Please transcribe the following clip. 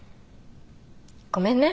ごめんね